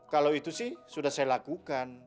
kalau itu sih sudah saya lakukan